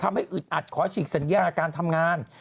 อึดอัดขอฉีกสัญญาการทำงาน